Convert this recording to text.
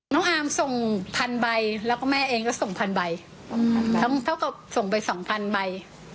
น้องอาร์มส่งพันใบแล้วก็แม่เองก็ส่งพันใบเท่ากับส่งไปสองพันใบ